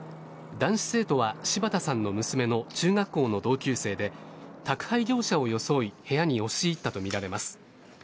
男子生徒は柴田さんの娘の中学校の同級生で宅配業者を装い部屋に押し入ったとみられます。